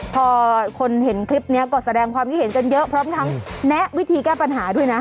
พอคนเห็นคลิปนี้ก็แสดงความคิดเห็นกันเยอะพร้อมทั้งแนะวิธีแก้ปัญหาด้วยนะ